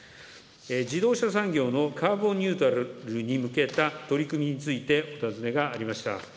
自動車産業のカーボンニュートラルに向けた取り組みについてお尋ねがありました。